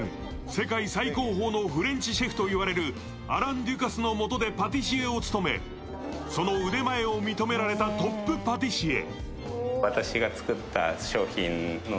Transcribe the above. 世界最高峰のフレンチシェフと言われるアラン・デュカスのもとでパティシエを務めその腕前を認められたトップパティシエ。